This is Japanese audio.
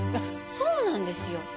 そうなんですよ。